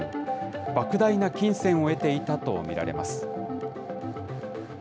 ばく大な金銭を得ていたと見られます。